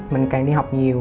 mình càng đi học nhiều